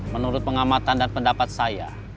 menurut pengamatan dan pendapat saya